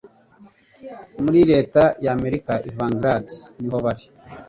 Muri Reta ya Amerika Everglades niho bari